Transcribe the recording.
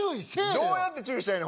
どうやって注意したらいいの！？